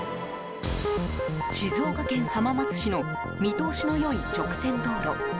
静岡県浜松市の見通しの良い直線道路。